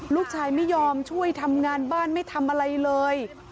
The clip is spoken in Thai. ลูกชายไม่ยอมช่วยทำงานบ้านไม่ทำอะไรเลย